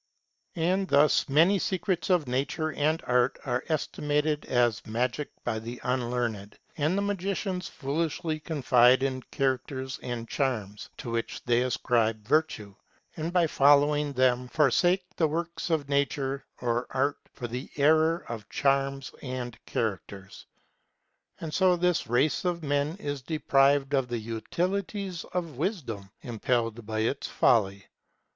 And thus, many secrets of nature and art are esti mated as magic by the unlearned ; and the magicians foolishly confide in characters and charms, to which they ascribe virtue ; and by following them, forsake the works of nature or art for the error of charms and characters. And so this race of men is deprived of the utilities of wisdom, impelled by its folly.